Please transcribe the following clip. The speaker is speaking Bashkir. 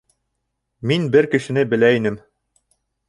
Мин бер кешене белә инем...